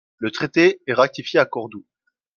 Le traité est ratifié à Cordoue.